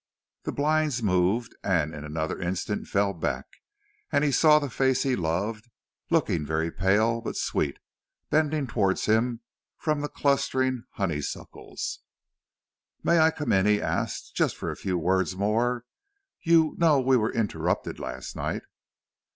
The blinds moved and in another instant fell back, and he saw the face he loved, looking very pale but sweet, bending towards him from the clustering honeysuckles. "May I come in," he asked, "just for a few words more? You know we were interrupted last night."